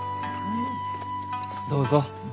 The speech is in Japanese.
どうぞ。